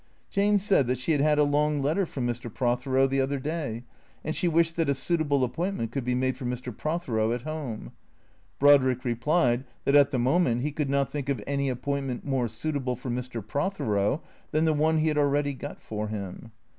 Jane said that she had had a long letter from Mr. Prothero the other day, and she wished that a suitable appointment could be found for Mr. Prothero at home. Brodrick replied, that, at the moment, he could not think of any appointment more suit able for Mr. Prothero than the one he had already got for him.